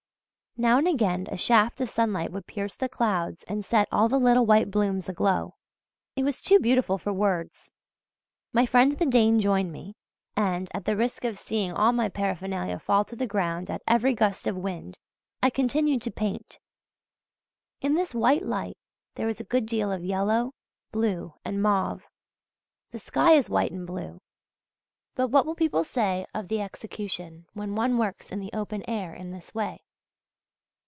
Now and again a shaft of sunlight would pierce the clouds and set all the little white blooms aglow it was too beautiful for words! My friend the Dane joined me, and, at the risk of seeing all my paraphernalia fall to the ground at every gust of wind, I continued to paint. In this white light, there is a good deal of yellow, blue and mauve; the sky is white and blue. But what will people say of the execution when one works in the open air in this way?